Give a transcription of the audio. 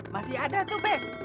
masih ada tuh be